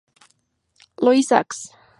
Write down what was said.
Louis Hawks